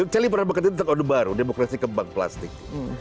celi pernah mengatakan tentang adu baru demokrasi kembang plastik